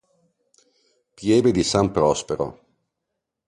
Pieve di San Prospero